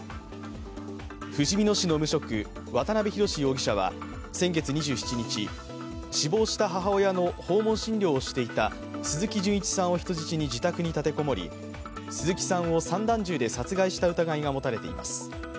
ふじみ野市の無職、渡辺宏容疑者は先月２７日、死亡した母親の訪問診療をしていた鈴木純一さんを人質に自宅に立てこもり鈴木さんを散弾銃で殺害した疑いが持たれています。